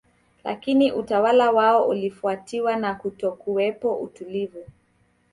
Lakini utawala wao ulifuatiwa na kutokuwepo utulivu